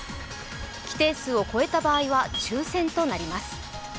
規定数を超えた場合は、抽選となります。